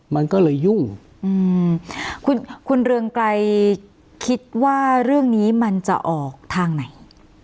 มันก็เลยยุ่งอืมคุณคุณเรืองไกรคิดว่าเรื่องนี้มันจะออกทางไหน